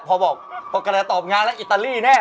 พอบอกปกติตอบงานแล้วอิตาลีแน่